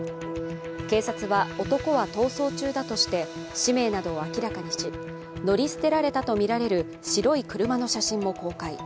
警察は男は逃走中だとして氏名などを明らかにし乗り捨てられたとみられる白い車の写真も公開。